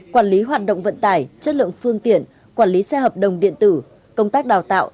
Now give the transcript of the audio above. quản lý hoạt động vận tải chất lượng phương tiện quản lý xe hợp đồng điện tử công tác đào tạo